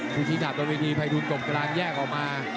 ภูชีทัพโดนวิทีภายดุลกรมกำลังแยกออกมา